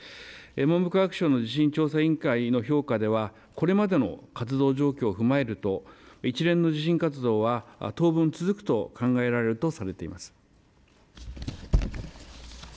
文部科学省の地震調査委員会の評価ではこれまでの活動状況を踏まえると一連の地震活動は当分続くと考えられるとされています。